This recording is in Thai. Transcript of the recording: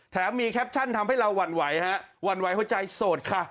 แถมมีแคปชั่นทำให้เราหวั่นไหวฮะหวั่นไหวหัวใจโสดค่ะ